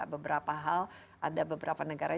beberapa hal ada beberapa negara